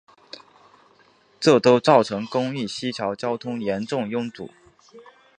这都造成公益西桥交通严重拥堵。